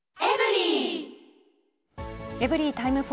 エブリィタイム４。